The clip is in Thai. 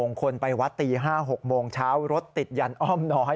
คนไปวัดตี๕๖โมงเช้ารถติดยันอ้อมน้อย